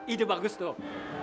ide bagus tuh